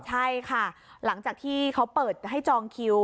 ใช่ค่ะหลังจากที่เขาเปิดให้จองคิว